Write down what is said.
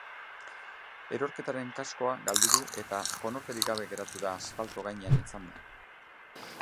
Erorketan kaskoa galdu du eta konorterik gabe geratu da asfalto gainean etzanda.